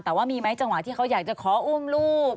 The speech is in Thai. แต่ว่ามีไหมจังหวะที่เขาอยากจะขออุ้มลูก